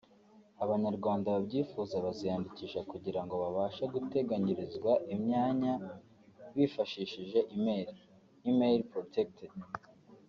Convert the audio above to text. Abanyarwanda babyifuza baziyandikisha kugirango babashe guteganyirizwa imyanya bifashishije email [email protected]